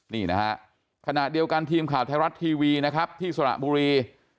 นี่นะฮะขณะเดียวกันทีมข่าวไทยรัฐทีวีนะครับที่สระบุรี